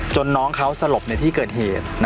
น้องเขาสลบในที่เกิดเหตุ